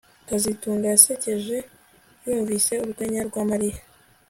kazitunga yasekeje yumvise urwenya rwa Mariya